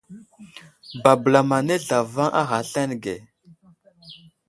Babəlam anay zlavaŋ a ghay aslane ge.